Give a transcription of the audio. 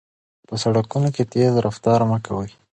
په سړکونو کې تېز رفتار مه کوئ.